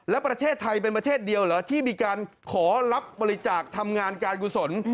แล้วประเทศไทยเป็นประเทศเดียวเหรอที่มีการขอรับบริจาคทำงานการกุศล